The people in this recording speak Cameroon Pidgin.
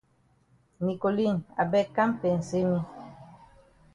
Nicoline I beg kam pensay me.